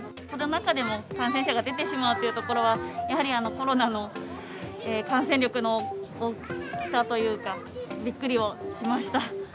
その中でも感染者が出てしまうというところは、やはりコロナの感染力の大きさというか、びっくりはしました。